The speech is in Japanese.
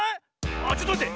あちょっとまって！